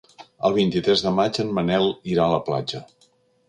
El vint-i-tres de maig en Manel irà a la platja.